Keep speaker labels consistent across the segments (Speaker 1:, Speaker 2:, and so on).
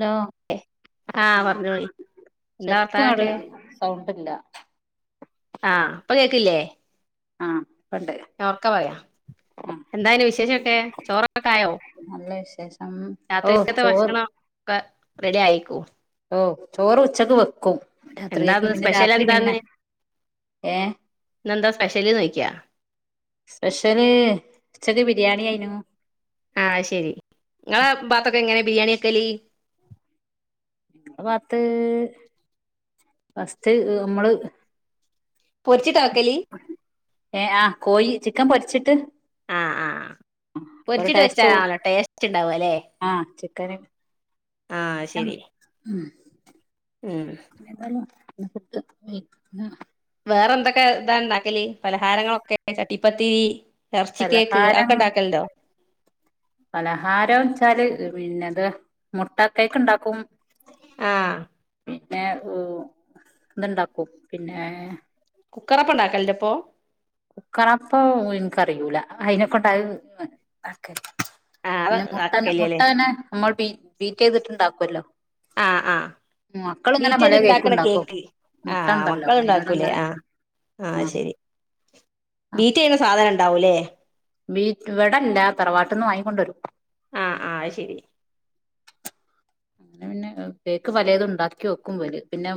Speaker 1: Law
Speaker 2: ആഹ് പറഞ്ഞോളി എന്താ
Speaker 1: ശെരിക്കാട്,
Speaker 2: വർത്താനൊക്കെ
Speaker 1: സൗണ്ടില്ല.
Speaker 2: ആഹ്, അപ്പൊ. കേക്കില്ലെ?
Speaker 1: ആഹ് പ്പണ്ട്.
Speaker 2: ഞാ ഒക്ക പറയാ, എന്താപിന്നെ വിശേഷൊക്കെ. ചോറൊക്കെ ആയേ?
Speaker 1: നല്ല വിശേഷം. ഓ ചോർ,
Speaker 2: പ്പ റെഡി ആയിക്കും.
Speaker 1: ഓ, ചോറ് ഉച്ചെക്ക് വെക്കും. രാത്രിയ്ക്ക്
Speaker 2: എന്താന്ന്
Speaker 1: പിന്നെ
Speaker 2: സ്പെഷ്യൽ
Speaker 1: രാത്രി പിന്നെ.
Speaker 2: എന്താന്ന്
Speaker 1: ഏഹ്
Speaker 2: ഇന്നെന്താ, സ്പെഷ്യല് ന്നേയ്ക്കാ.
Speaker 1: സ്പെഷ്യല് ഉച്ചെക്ക് ബിരിയാണി അയ്നു.
Speaker 2: ആഹ് ശെരി നങ്ങളെ പാത്തൊക്കെ എങ്ങനെ ബിരിയാണി വെക്കെല്.
Speaker 1: ളെ പാത്ത് ഫസ്റ്റ് മ്മള്.
Speaker 2: പൊരിച്ചിട്ടാ വെക്കല്.
Speaker 1: ഏഹ് ആ കോയി, ചിക്കെൻ പൊരിച്ചിട്ട്.
Speaker 2: ആ ആഹ്,
Speaker 1: അപ്പൊ ഒരു
Speaker 2: പൊരിച്ചിട്ട്
Speaker 1: ടേസ്റ്റ് കൂടും
Speaker 2: വെച്ചാലാണല്ലോ ടേസ്റ്റ് ണ്ടാവല്ലേ.
Speaker 1: ആഹ് ചിക്കെന് നെം
Speaker 2: ശരി
Speaker 1: ഉം.
Speaker 2: ഉം
Speaker 1: [unintelligible]
Speaker 2: വേറെന്തൊക്കെ താ.. ണ്ടാക്കല് പലഹാരങ്ങളൊക്കെ ചട്ടിപ്പത്തിരി. എർച്ചി കേക്ക്
Speaker 1: പലഹാരം
Speaker 2: അഅക്കെണ്ടാക്കല്ണ്ടേ.
Speaker 1: പലഹാരെച്ചാല് പിന്നെത് മുട്ടക്കെക്ക്ണ്ടാക്കും.
Speaker 2: ആഹ്.
Speaker 1: പിന്നെ ഇതുണ്ടാക്കും പിന്നെ
Speaker 2: കുക്കറപ്പ ഉണ്ടാക്കലിന്റെ ഇപ്പോൊ
Speaker 1: കുക്കറപ്പൊ എനക്ക്റിയൂല അതിനെക്കണ്ട
Speaker 2: ആഹ്
Speaker 1: പിന്നെ മുട്ടന്ന മുട്ട
Speaker 2: ആക്കല്ലേല്ലേ
Speaker 1: തനെ നമ്മൾ ബീ ബീറ്റ് ചെയ്തിട്ട്ുണ്ടാക്കുവല്ലോ
Speaker 2: ആഹ് ആഹ് ബീറ്റയ്ത്
Speaker 1: കേക്കും
Speaker 2: ഇണ്ടാക്കണ
Speaker 1: ഉണ്ടാക്കും
Speaker 2: കേക്ക്
Speaker 1: മുട്ട
Speaker 2: ആഹ്
Speaker 1: ഉണ്ടല്ലോ
Speaker 2: മക്കൾ ഇണ്ടാക്കൂല്ലേ
Speaker 1: അതിനോടങ്ങനെ
Speaker 2: ആഹ് ആഹ് ശരി ബീറ്റ് ചെയ്യുന്ന സാധനം ഉണ്ടാവൂല്ലേ
Speaker 1: വീ വിടല്ല തറവാട്ട്ന്ന് വാങ്ങിക്കൊണ്ട വരും
Speaker 2: ആഹ ആഹ അയ് ശരി
Speaker 1: അങ്ങെ പിന്നെ പേക്ക് പലതും ഉണ്ടാക്കി വക്കും പോല് പിന്നെ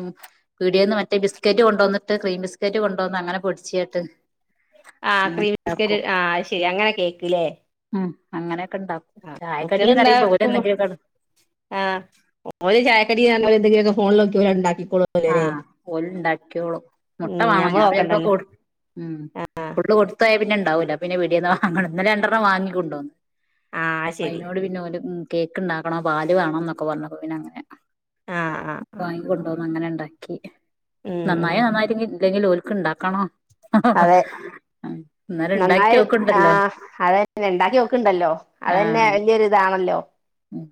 Speaker 1: വീടി നിന്ന് മറ്റേ ബിസ്ക്കറ്റ് കൊണ്ടുവന്നിട്ട് ക്രീം ബിസ്റ്റ് കൊണ്ടുവന്ന് അങ്ങനെ പൊടിച്ചിട്ട്
Speaker 2: ആഹ
Speaker 1: അങ്ങനെ
Speaker 2: ക്രീം ബിസ്ക്കറ്റ്
Speaker 1: ഉണ്ടാക്കും
Speaker 2: ആഹ ശെരി അങ്ങനെ കേക്കല്ലേ
Speaker 1: ഉം അങ്ങനെയൊക്കെ ഉണ്ടാക്കും ചായക്കടന്ന്റിയുമ്പോ പോലെ എന്തങ്കിലൊക്ക
Speaker 2: ആഹ ഓര് ചായക്കടി എന്തെങ്കിലുംക്ക ഫോണിൽ നോക്കി പോ ഉണ്ടാക്കിക്കോളും
Speaker 1: ആഹ് ഒല ഉണ്ടാക്കിയോളൂ മുട്ട
Speaker 2: ഉം
Speaker 1: വേണോ
Speaker 2: ഞമ്മള്
Speaker 1: ഞാൻ
Speaker 2: നോക്കണ്ടല്ലോ
Speaker 1: ചിലപ്പോടു ഉം ഫുള് കൊടുത്തായൽ പിന്നെ ഉണ്ടാവൂല്ല പിന്നെ പീടിന്ന് വാങ്ങണം ഇന്നലെണ്ടെണ്ണം വാങ്ങിക്കൊണ്ടോന്ന്
Speaker 2: ആഹ് ശരി
Speaker 1: അതിനോട് പിന്നെ ഒരു കേക്ക് ഇണ്ടാക്കണോ പാല് വേണോ എന്നൊക്കെ പറഞ്ഞപ്പോ പിന്നെ അങ്ങനെ
Speaker 2: ആഹ് ആഹ് ആഹ്
Speaker 1: വങ്ങ കൊണ്ട പോന്ന് അങ്ങനെ ഉണ്ടാക്കി
Speaker 2: ഉം ഉം
Speaker 1: നന്നായി നന്നായി [unintelligible] അല്ലെങ്കിലിൽ ഓക്ക് ഉണ്ടാക്കണോ
Speaker 2: അതെ നന്നായി ആഹ അതന്നെ ഉണ്ടാക്കി നോക്കണ്ടല്ലോ അതന്നെ
Speaker 1: ആഹ്
Speaker 2: വലിയൊരി ഇതാണല്ലോ
Speaker 1: ഉം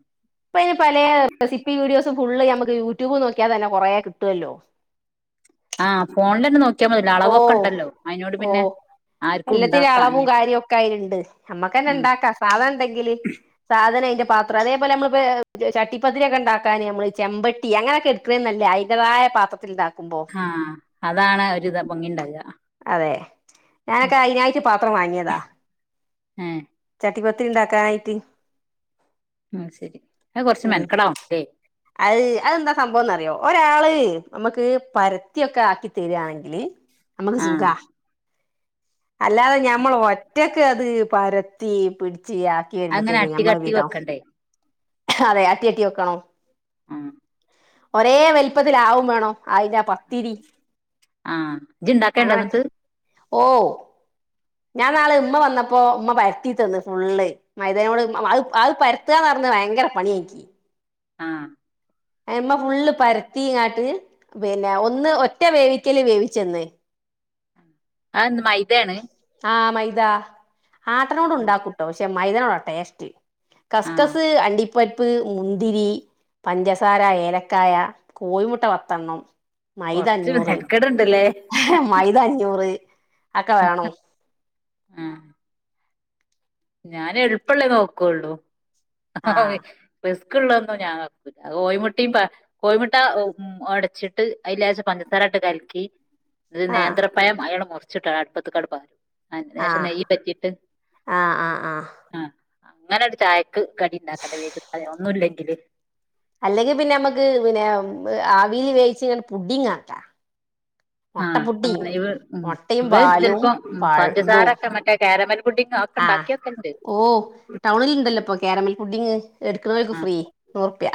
Speaker 2: ഇപ്പ ഇനി പല റെസിപ്പി വീഡിയോസ ഫുള് നമുക്ക് യൂട്യൂബ് നോക്കിയൽന്നെറേ കിട്ടുമല്ലോ
Speaker 1: ആഹ് ഫോണിൽ തന്നെ നോക്കിയാൽ മതില്ലോ അളവൊക്കെ ഉണ്ടല്ലോ അതിനോട് പിന്നെ ആർക്കും
Speaker 2: എല്ലാത്തിനും
Speaker 1: ഉണ്ടാക്കാ
Speaker 2: അളവും കാര്യവും ഒക്കെ ആയിലുണ്ട് നമ്മക്ക്ന്നെ
Speaker 1: ഉം
Speaker 2: ഇണ്ടാക്കാം സാധന ഉണ്ടെങ്കില് സാധന അതിന്റെ പാത്രം അതേപോലെ നമ്മിപ്പോ ചട്ടിപ്പത്തിരിക്കെ ഉണ്ടാക്കാന് നമ്മള് ചെമ്പട്ടി അങ്ങനൊക്കെ എടു ഇത്രയും നല്ല അതിന്റാതായ പാത്രത്തിൽ ഇതാക്കുമ്പോ
Speaker 1: ആഹ അതാണ് ഒരുരിതാ പൊങ്ങിണ്ടകുക
Speaker 2: അതെ ഞാനൊക്കെ അതിനാട്ട പാത്രം വാങ്ങിയതാ
Speaker 1: ഏ
Speaker 2: ചട്ടി പത്തിരി ഉണ്ടാക്ക ആയിട്ട്
Speaker 1: ഉം ശരി ആഹ കൊറച്ച്
Speaker 2: ഉം
Speaker 1: മെനക്കടാവല്ലേ
Speaker 2: അത് അതെന്താ സംഭവംന്ന്റിയോ ഒരാള് നമുക്ക് പരത്തിയൊക്കെ ആക്കി തരിയാണെങ്കിൽ ഇല്ലെ നമ്മക്ക് സുഖ
Speaker 1: ആഹ്
Speaker 2: അല്ലാതെ ഞമ്മൾ ഒറ്റക്ക് അത് പരത്തി പിടിച്ച് [unintelligible] ക്കി
Speaker 1: അങ്ങനെ
Speaker 2: വരുമ്പോഴത്തേക്ക്
Speaker 1: അട്ടി
Speaker 2: ഞമ്മള
Speaker 1: കട്ടി
Speaker 2: വീതവും
Speaker 1: വെക്കണ്ടേ
Speaker 2: അതെ അട്ടി അട്ടി വെക്കണോ
Speaker 1: ആഹ
Speaker 2: ഒരേ വലിപ്പത്തിലാവും വേണോ ആയിഞ്ഞ പത്തിരി
Speaker 1: ആഹ് ജിണ്ടക്കേണ്ട എന്നിട്ട്
Speaker 2: ഓഹ ഞാൻ നാളെ ഉമ്മ വന്നപ്പോ ഉമ്മ പരത്തി തന്ന് ഫുള്ള് മൈദാനോട് അത് അത് പരത്തുകാന്ന് പറഞ്ഞത് ഭയങ്കര പണിയ എനിക്ക്
Speaker 1: ആഹ
Speaker 2: അമ്മ ഫുള്ള് പരത്തിങ്ങാട്ട് പിന്നെ ഒന്ന് ഒറ്റ വേവിക്കല് വേവിച്ചന്ന്
Speaker 1: ആഹ മൈതയാണ്
Speaker 2: ആഹ മൈദ ആട്ടനോട് ഉണ്ടാക്കൂട്ടോ പക്ഷെ മൈദനോടോ ട്ടെസ്റ്റ്
Speaker 1: ആഹ്
Speaker 2: കസ്കസ് അണ്ടിപ്പ ഉപ്പരിപ്പ് മുന്തിരി പഞ്ചസാര ഏലക്കായ കോഴിമുട്ട വത്തെണ്ണം
Speaker 1: കൊറച്ച് എനിക്കിടെ ഇണ്ടല്ലേ
Speaker 2: മൈതാഞ്ഞൂറ് ഒക്കെ വേണോ
Speaker 1: ആഹ് ഞാൻ എളുപ്പള്ളേ നോക്കുള്ളൂ ആഹ
Speaker 2: ആഹ്
Speaker 1: ബസ്ക്ള്ളന്നും ഞാൻ അത് ഓമുട്ടും കോഴിമുട്ട ഒടച്ചിട്ട് അതിലശം പഞ്ചസാര ഇട്ട് കലക്കി ഒരു
Speaker 2: ആഹ്
Speaker 1: നേന്ത്രപഴം അയാൾ മുറിച്ചിട്ടാണ് അടുപ്പത്തങ്ങട് പാറും അഹ് ലേശം
Speaker 2: ആഹ്
Speaker 1: നെയ്യ് പെരറ്റിട്ട്
Speaker 2: ആഹ് ആഹ്
Speaker 1: ആഹ് അങ്ങനെ ഒരു ചായക്ക് കടി ഉണ്ടാക്കല്ലേ വേഗം ഒന്നും ഇല്ലെങ്കില്
Speaker 2: അല്ലെങ്കിൽ പിന്നെ നമ്മുക്ക് പിന്നെ ആവിയിൽ വേവിച്ച് ഇങ്ങനെ പുഡിംഗ് ആക്കാ മുട്ട
Speaker 1: ആഹ്
Speaker 2: പുഡിങ്
Speaker 1: അങ്ങനെ ഇവ ഉം
Speaker 2: മുട്ടയും
Speaker 1: ഇവ
Speaker 2: പാലും
Speaker 1: ചിലപ്പോൾ ഉം
Speaker 2: പഴ ഇതും
Speaker 1: പഞ്ചസാരൊക്കെ മറ്റേ കാരമൽ പുഡിങ്
Speaker 2: ആഹ്
Speaker 1: [unintelligible]
Speaker 2: ഓ ടൗണിൽ ഉണ്ടല്ലോപ്പോ ക്യാരമൽ പുഡിങ്ങ് എടുക്കുന്നവർക്ക്
Speaker 1: ആഹ്
Speaker 2: ഫ്രീ നൂറു റൂപ്യ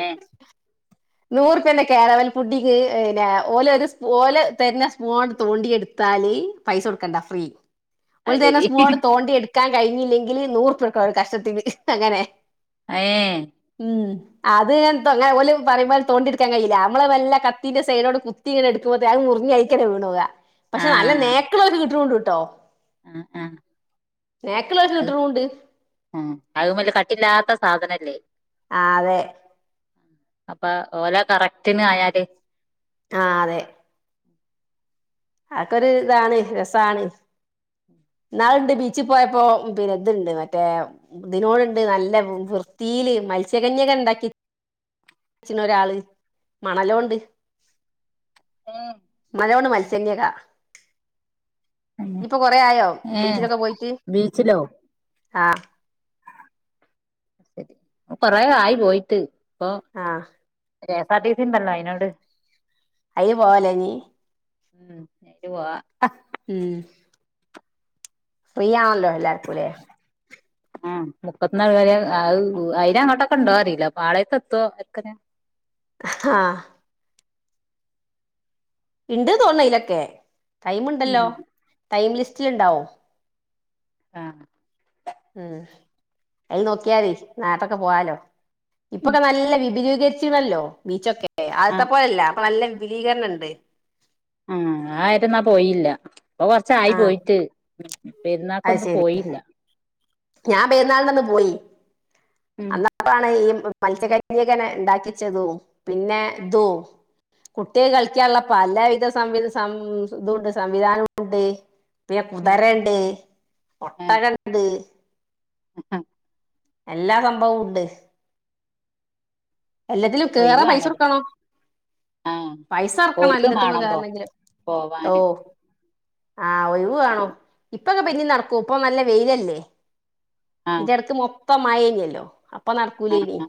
Speaker 1: ഏഹ്
Speaker 2: നൂറുപ്പന്റെ കാരമൽ പുഡിങ്ങ് പിന്നെ ഓല ഒരു ഓല തരുന്ന സ്പൂൺ കൊണ്ട് തോണ്ടി എടുത്താല് പൈസ കൊടുക്കണ്ട ഫ്രീ
Speaker 1: അത്
Speaker 2: ഓല് തരുന്ന
Speaker 1: ശരി
Speaker 2: സ്‌പൂണ് കൊണ്ട് തോണ്ടി എടുത്ത എടുക്കാൻ കഴിഞ്ഞില്ലെങ്കിൽ നൂറു റൂപ്യ എടുക്കുംഒരു കഷ്ണത്തിന് അങ്ങനെ
Speaker 1: ഏഹ്
Speaker 2: ഉം അത് തോങ്ങാ ഓല് പറയുംപോല തോണ്ടി എടുക്കാൻ കഴയില്ല നമ്മള വല്ല കത്തിന്റെ സൈടോണ് കുത്തി ഇങ്ങഎടുക്കുമ്പഴേ അത് മുറിഞ്ഞ് അതിൽ തന്നെ വീണൂ പോവാ പക്ഷെ നല്ല
Speaker 1: ആഹ്
Speaker 2: നെക്ക് ഉള്ളവർക്ക് കീട്ടണ് കൊണ്ട് കേട്ടോ
Speaker 1: ആഹ്
Speaker 2: നേക്കിളൊക്കെ
Speaker 1: അത്
Speaker 2: കിട്ടുന്നുണ്ട്
Speaker 1: ഉം അതുമല്ല കട്ടിയില്ലാത്ത സാധനല്ലേ
Speaker 2: ആഹ് അതെ
Speaker 1: അപ്പൊ ഓല കറക്റ്റിന് ആയാല്
Speaker 2: ആഹ് അതെ അതക്കൊരു ഇതാണ് രസാണ് ഇന്നാളുണ്ട് ബീച്ചിൽ പോയപ്പോ പിന്നെ ഇതുണ്ട് മറ്റേ ഇതിനോടുണ്ട് നല്ല വൃത്തിയില് മത്സ്യകന്യകെ ഉണ്ടാക്കി വരച്ഛന് ഒരാള് മണലോണ്ട്
Speaker 1: ഉം
Speaker 2: മത്സ്യ കന്നിക
Speaker 1: അങ്ങനെ
Speaker 2: ഇപ്പൊ കൊറ ആയോ
Speaker 1: ഏഹ്
Speaker 2: ബീച്ചിലൊക്കെ പോയിട്ട്
Speaker 1: ബീച്ചിലോ
Speaker 2: ആഹ്
Speaker 1: കൊറേ ആയി പോയിട്ട് ഇപ്പൊ
Speaker 2: ആഹ്
Speaker 1: കെഎസ് ആർ ടി സി ഉണ്ടല്ലോ അതിനോട്
Speaker 2: അയിൽ പോവാലനി
Speaker 1: [unintelligible]
Speaker 2: ഉം ഫ്രിയാണല്ലോ അല്ലാർക്കും അല്ലേ
Speaker 1: ആ മുക്കത്തിന് കേറിയാൽ അയിന് അങ്ങോട്ടൊക്കെ ഉണ്ടോ എന്ന്അറിയില്ല പാളയത്ത് എത്തോ
Speaker 2: ആഹ് ഇണ്ട് തോന്നുന്നു ഇതൊക്കെ ടൈമ്
Speaker 1: ഉം
Speaker 2: ഉണ്ടല്ലോ ടൈം ലിസ്റ്റിൽ ഉണ്ടാവോ
Speaker 1: ആഹ്
Speaker 2: ഉം അത് നോക്കിയാതി നേരത്തെ പോവാലോ ഇപ്പൊനല്ല വിപരീത
Speaker 1: ആഹ്
Speaker 2: [unintelligible]
Speaker 1: ആഹ് ആ ഏര്യ എന്നാ പോയില്ല ഇപ്പൊ കൊറച്ച് ആയി
Speaker 2: ആഹ്
Speaker 1: പോയിട്ട്
Speaker 2: അത്
Speaker 1: പെരുന്നാക്കൊന്നും
Speaker 2: ശരി
Speaker 1: പോയില്ല
Speaker 2: ഞാൻ പൊരുന്നാളിൻ്റെ അന്ന് ഒന്ന് പോയി
Speaker 1: ഉം
Speaker 2: അന്നപ്പഴാണ് ഈ മത്സ്യ കന്യകനെ ഉണ്ടാക്കിച്ചതും പിന്നെ ഇതും കുട്ടികൾക്ക് കളിക്കാനുള്ള പല വിധ സംവി സംവി സം ഉണ്ട് സംവിധാനം ഉണ്ട് പിന്നെ
Speaker 1: ഉം
Speaker 2: കുതിര ഉണ്ട് ഒട്ടക ഇണ്ട്
Speaker 1: ആ
Speaker 2: എല്ലാ സംഭവവും ഉണ്ട് എല്ലാത്തിലും
Speaker 1: ഒഴിവ്
Speaker 2: കേറാൻപൈസ
Speaker 1: വേണല്ലോ
Speaker 2: കൊടുക്കണം
Speaker 1: ആഹ്
Speaker 2: പൈസ അറക്കണം
Speaker 1: ഒഴിവ്
Speaker 2: എല്ലാത്തമ്മ
Speaker 1: വേണം പോ
Speaker 2: കേറണമെങ്കില്
Speaker 1: പോവാന്
Speaker 2: ഓഹ് ആഹ് ഒഴിവ് വേണം ഇപ്പൊക്കെ പിന്നി നടക്കൂ ഇപ്പൊ നല്ല വെയിലല്ലേ
Speaker 1: ആഹ്
Speaker 2: ഇതിന്റെടക്ക് മൊത്തം മഴേനല്ലോ അപ്പൊ
Speaker 1: ആഹ്
Speaker 2: നടക്കൂലനി
Speaker 1: ആഹ്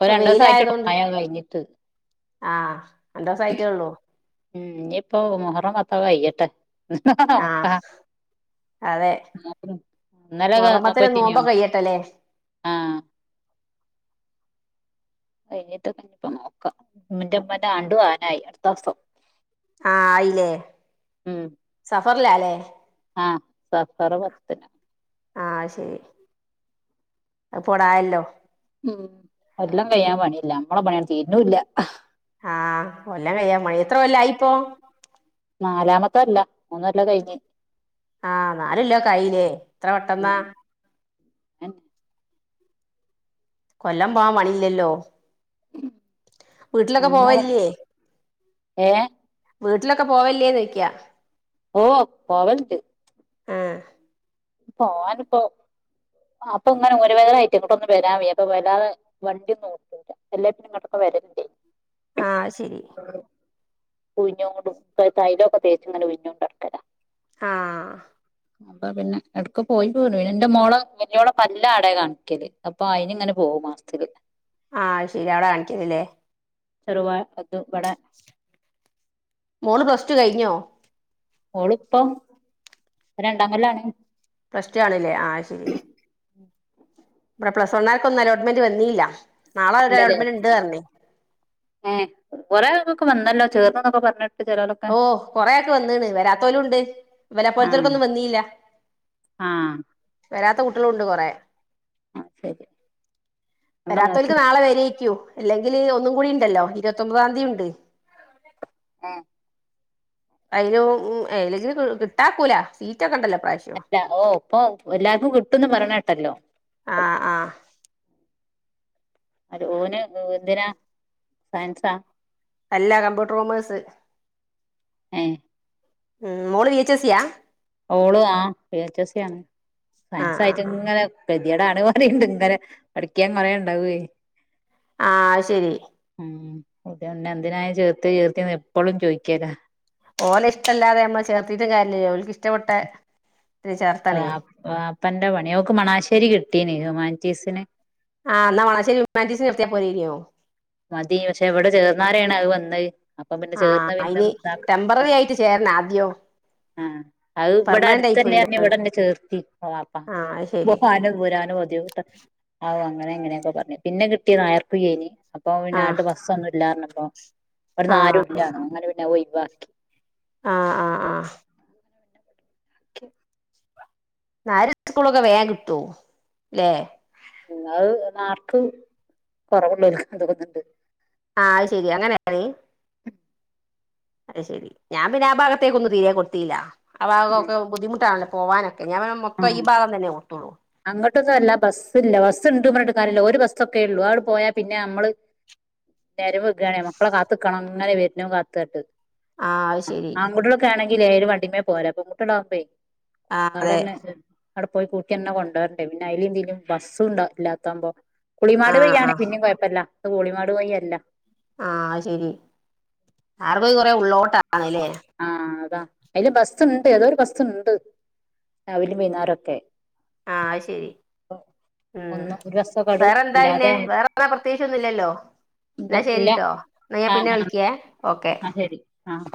Speaker 2: ഇപ്പൊ
Speaker 1: രണ്ടു
Speaker 2: വെയിലയത
Speaker 1: ദിവസായിട്ടുള്ളൂ
Speaker 2: കൊണ്ട്
Speaker 1: മഴ കഴിഞ്ഞിട്ട്
Speaker 2: ആഹ രണ്ട് ദിവസ ആയിട്ടേള്ളൂ
Speaker 1: ഉം ഇനിപ്പോ മുഹറം പത്തു കയ്യട്ടെ
Speaker 2: ആ അതെ
Speaker 1: ഇന്നലെ ഒക്കെ
Speaker 2: മുഹറമ്പത്തിന്
Speaker 1: പറ്റിനിയോ
Speaker 2: നോമ്പ് കഴിയട്ടല്ലേ
Speaker 1: ആഹ കഴിഞ്ഞിട്ടൊക്കെ നോക്കാം ഇന്റമ്മന്റെ ആണ്ടു ആവാനായി അടുത്ത ദിവസം
Speaker 2: ആഹ ആയില്ലേ സഫറില അല്ലേ
Speaker 1: ആഹ സഫർ പത്തു
Speaker 2: ആഹ ശരി അത് പ്പാടായല്ലോ
Speaker 1: ഉം എല്ലാം കഴിയാൻ പണിയില്ല നമ്മളെ പണിയാൻഡ് തീരുണുള്ള
Speaker 2: ആഹ് കൊല്ലം കഴിയാ പണിയില്ല എത്ര കൊല്ല ആയിപ്പോ
Speaker 1: നാലാമത്ത കൊല്ല മൂന്നല്ലാം കഴിഞ്ഞ് ഇപ്പൊ
Speaker 2: ആഹ് നാൽ കൊല്ലം ആയിലെ എത്ര പെട്ടന്നാ
Speaker 1: ഉം
Speaker 2: കൊല്ലം പോവാൻ പണിയില്ലല്ലോ വീട്ടിലൊക്കെ
Speaker 1: നമ്മളും
Speaker 2: പോവലില്ലേ
Speaker 1: ഏ
Speaker 2: വീട്ടിലൊക്കെ പോവല്ലേ ന്ന് ചോയിക്ക
Speaker 1: ഓ പോവലണ്ട്
Speaker 2: ആഹ്
Speaker 1: പോവാനിപ്പോ അപ്പൊ ഇങ്ങനെ ഊര വേദന ആയിട്ട് അങ്ങോട്ടൊന്നന്ന് വരാൻ വയ്യ അപ്പൊ വല്ലാതെ വണ്ടി ഓട്ടൂല അല്ലങ്കിൽ ഇപ്പൊ ഇങ്ങോട്ടൊക്കെ വരലിണ്ടായിനി
Speaker 2: ആഹ ശരി
Speaker 1: ഉഴിഞ്ഞോണ്ടും തൈലൊക്കെ തേച്ചു ഇങ്ങനെ ഉഴിഞ്ഞോണ്ട് നടക്കല
Speaker 2: ആഹ
Speaker 1: അപ്പോ പിന്നെ എടക്ക് പോയി പോരും എന്റെ മോള വലിയോള പല്ല് ആടെ കാണിക്കല് അപ്പൊ അയിന് ഇങ്ങെനെ പോകും മാസത്തിത്തില്
Speaker 2: ആഹ് ശരി അവിടെ കാണിക്കലില്ലെ
Speaker 1: ചരുവഴ [unintelligible]
Speaker 2: മോള് പ്ലസ് ടു കഴിഞ്ഞോ
Speaker 1: ഓള് ഇപ്പോ രണ്ടാം കൊല്ലാണ്
Speaker 2: പ്ലസ് ടു ആണല്ലേ ആ ശരി ഇ പ്ലസ് വണ്ണർക്കൊന്നും അലോട്ട്മെന്റ് വന്നില്ല
Speaker 1: ഇല്ല ല്ലേ ഏ കൊറെേആൾക്കൊക്കെ വന്നല്ലോ ചേർന്നൊക്കെ പറഞ്ഞിട്ട് ചെലോലൊക്കെ
Speaker 2: ഓ കൊറെആൾക്കൊക്കെ വന്നാണ് വരാത്തോലും ഉണ്ട് ഇവലെ പോലത്തർക്കൊന്നും വന്നിയില്ല
Speaker 1: ആഹ
Speaker 2: വരാത്ത കുട്ടികളുണ്ട് കൊറെേ
Speaker 1: ശരി അങ്ങ നോക്കി
Speaker 2: വരാത്തോൽക്ക് നാളെ വരേക്കും ഇല്ലെങ്കിൽ ഒന്നും കൂടി ഉണ്ടല്ലോ ഇരുപത്തൊമ്പതാംതിയതി ഉണ്ട്
Speaker 1: ഏഹ
Speaker 2: അതിന് ഇല്ലെങ്കിൽ കിട്ടാക്കൂല സീറ്റ് ഒക്കെ ഉണ്ടല്ലോ ഇപ്രാവശ്യം
Speaker 1: അല്ല ഓ ഇപ്പൊ എല്ലാവർക്കും കിട്ടുംന്ന് പറഞ്ഞ കേട്ടല്ലോ
Speaker 2: ആഹ ആഹ
Speaker 1: അ ഓന് എന്തിനാ സയൻസാ
Speaker 2: അല്ല കമ്പ്യൂട്ടർ കോമോഴ്സ്.
Speaker 1: ആഹ്
Speaker 2: ഉം മോള് വി എച്ച് എസ് സിയാ.
Speaker 1: ഓള് ആ വി എച്ച് എസ് സി ആണ്.
Speaker 2: ആഹ് ആഹ്
Speaker 1: സയൻസ്
Speaker 2: ആഹ്
Speaker 1: ഇങ്ങനെ കതിയാട് ആണെന്ന് പറയാനുണ്ട് ഇങ്ങനെ പഠിക്കാൻ കൊറുണ്ടാവേ.
Speaker 2: ആഹ ശരി.
Speaker 1: ഉ അതന്നെ എന്തിണ് ചേർത്ത് ചേർത്തി എപ്പോഴും ചോയ്ക്കൊനൊ.
Speaker 2: ഓലെ ഇഷ്ടല്ലതെ നമ്മൾ ചേർത്തിട്ട് കാര്യല്ലേ അവലക്ക് ഇഷ്ടപ്പെട്ട. ഇതിന്
Speaker 1: അ
Speaker 2: ചേർത്താണേ
Speaker 1: അപ്പന്റെറ പണി ഓക്ക് മണാശ്ശേരി കിട്ടീന് ഹ്യൂമാനിറ്റീസിന്.
Speaker 2: ആ ന്നാ മണാശ്ശേരി ഹുമാനിറ്റിസ്ന് നിർത്തിയ പോരായിരുന്നോ.
Speaker 1: മതി, പക്ഷെ എവിടെ ചേർന്നാരെണ് അത് വന്നത്. അപ്പൊ പിന്നെ
Speaker 2: ആഹ്
Speaker 1: ചേർന്ന് പിന്നെ
Speaker 2: അയ്ന്
Speaker 1: ഇതാക്ക
Speaker 2: ടെമ്പററി ആയിട്ട് ചേരണം ആദ്യം.
Speaker 1: ആഹ് അത് ഇവിടെ
Speaker 2: പെർമനന്റ് ആയി പോയിന്റെ
Speaker 1: അടുത്തന്നെറഞ്ഞു ഇവിടെന്നെ ചേർത്തി ഓളെ വാപ്പ
Speaker 2: ആഹ് അത് ശരി
Speaker 1: പോവാനും വരാനും ബുദ്ധിമുട്ട്. ആ അങ്ങനെ ഇങ്ങനെയൊക്കെ പറഞ്ഞു പിന്നെ കിട്ടിയത് [unintelligible] അപ്പൊ പിന്നെ
Speaker 2: ആഹ്
Speaker 1: അങ്ങട് ബസ്സൊന്നും ഇല്ലാറഞ്ഞപ്പോ. ഇവിടുന്നു
Speaker 2: ആഹ്
Speaker 1: ആരും ഇല്ല അങ്ങനെ പിന്നെ അത് ഓയ്‌വാക്കി.
Speaker 2: ആ ആ ആഹ്
Speaker 1: [inaudible]
Speaker 2: നായരെ സ്കൂളൊക്കെ വേഗം കിട്ടു ല്ലേ?
Speaker 1: നിങ്ങൾ മാ ർക്ക് കൊറവുള്ളോർക്കു ഇതൊക്കെ തന്ട്
Speaker 2: ആഹ് അയ്ശെരി അങ്ങനെണ്. അയ്ശേരി ഞാൻ പിന്നെ ആ ഭാഗത്തേക്ക്ൾ ഒന്നും തീരെ കൊടുതീല. ആ ഭാഗമൊക്ക ബുദ്ധിമുട്ടണല്ലേ പോവ ഞാൻ ഓനെ മൊത്തം ഈഭാഗം തന്നെ കൊടുത്തൊള്ളൂ.
Speaker 1: അങ്ങട്ടൊന്നും അല്ല ബസ്സില്ല ബസ് ഉണ്ട് പറഞ്ഞിട്ട് കാര്യല്ല ഒരു ബസ്സൊക്കെ ഉ ള്ളു അത് അങ്ങട് പോയ പിന്നെ അമ്മള്. നേരം വേഗ്ണ് മക്കളെ കാത്ക്കണം ങ്ങനെ വരന്നതും കാത്ത്.
Speaker 2: ആഹ് അത് ശെരി
Speaker 1: ആങ്കുട്ട്യേളൊക്കെ ആണെങ്കിൽ ഏത് വണ്ടിമ്മേം പോരാ. പെൺകുട്ടിയേൾ ആകുമ്പോ
Speaker 2: ആഹ് അതെ
Speaker 1: അവടന്നെ. അവിടെ പോയി കൂട്ടിയെന്നെ കൊണ്ടുവരണ്ടേ പിന്ന അയിലും ഇതിലേം ബസ്സും ഇല്ലാത്താവുമ്പോ. കുളിമാട്
Speaker 2: ആഹ്
Speaker 1: വയി ആണെങ്കി
Speaker 2: ആഹ്
Speaker 1: പിന്നേം കൊയപ്പല്ല ത് കുളിമാട് വഴി അല്ല.
Speaker 2: ആഹ് ശെരി കുറെ ഉള്ളോട്ടാണല്ലേ.
Speaker 1: ആഹ് അതാ അയില് ബസ് ണ്ട് ഏതോഒരു ബസ്സുണ്ട് രാവിലിം വൈന്നാരം ക്കെ.
Speaker 2: ആഹ് അയ് ശരി. ഉം
Speaker 1: ഒന്നും ഒരു ബസ്സൊക്കെ
Speaker 2: വേറെന്താ പിന്നെ
Speaker 1: ഇല്ലാതെ
Speaker 2: വേറെപ്പോ പ്രതേകിച്ചൊന്നു ല്ലല്ലോ.
Speaker 1: ഇല്ല
Speaker 2: ന്നാ
Speaker 1: ഇല്ല
Speaker 2: ശെരിട്ടോ ന്ന ഞാൻ
Speaker 1: ആഹ്
Speaker 2: പിന്നെ
Speaker 1: ആഹ്
Speaker 2: വിളിക്കേ ഓക്കെ.
Speaker 1: ആഹ് ശരി ആഹ്.